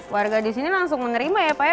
warga disini langsung menerima ya pak ya